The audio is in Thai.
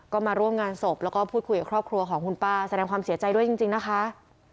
ก็มาร่วมงานศพแล้วก็พูดคุยกับครอบครัวของคุณป้าแสดงความเสียใจด้วยจริงนะคะ